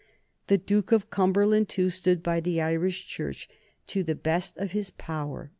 The Duke of Cumberland, too, stood by the Irish Church to the best of his power.